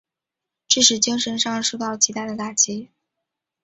致使精神上受到极大的打击。